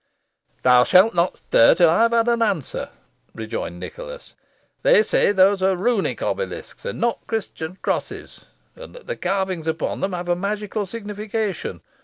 "Thou shalt not stir till I have had an answer," rejoined Nicholas. "They say those are Runic obelisks, and not Christian crosses, and that the carvings upon them have a magical signification.